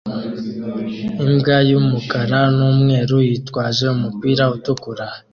Imbwa y'umukara n'umweru yitwaje umupira utukura